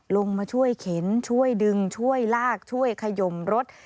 ลงมาช่วยเข็นช่วยดึงช่วยลากช่วยขยมรถ